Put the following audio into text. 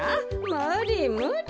むりむり。